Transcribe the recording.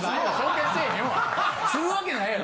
するわけないやろ！